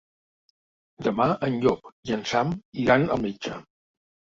Demà en Llop i en Sam iran al metge.